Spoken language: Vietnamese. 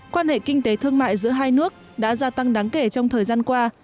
quan hệ kinh tế thương mại giữa hai nước đã gia tăng đáng kể trong thời gian qua